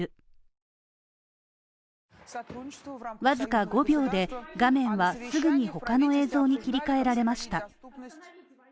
僅か５秒で画面はすぐに他の映像に切り替えられました。